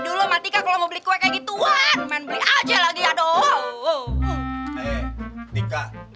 dulu mati kalau mau beli kue kayak gitu one man beli aja lagi ya dong